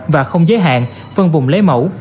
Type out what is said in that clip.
và không giới hạn phân vùng lấy mẫu